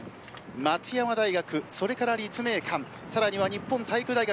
松山大学、立命館さらには日本体育大学。